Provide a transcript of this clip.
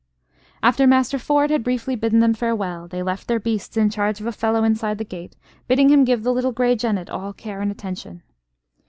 After Master Ford had briefly bidden them farewell, they left their beasts in charge of a fellow inside the gate, bidding him give the little grey jennet all care and attention.